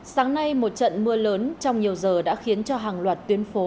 sáng nay một trận mưa lớn trong nhiều giờ đã khiến cho hàng loạt tuyến phố